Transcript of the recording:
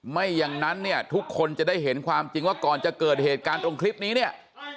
ไม่อย่างนั้นเนี่ยทุกคนจะได้เห็นความจริงว่าก่อนจะเกิดเหตุการณ์ตรงคลิปนี้เนี่ย